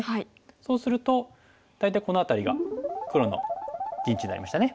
そうすると大体この辺りが黒の陣地になりましたね。